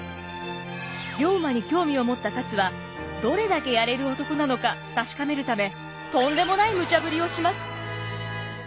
龍馬に興味を持った勝はどれだけやれる男なのか確かめるためとんでもないムチャぶりをします。